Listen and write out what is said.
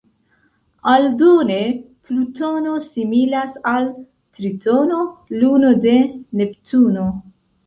Aldone, Plutono similas al Tritono, luno de Neptuno.